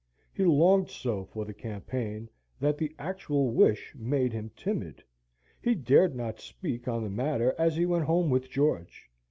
He longed so for the campaign, that the actual wish made him timid. He dared not speak on the matter as he went home with George.